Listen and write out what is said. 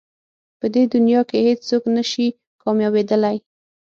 په دې دنیا کې هېڅ څوک نه شي کامیابېدلی.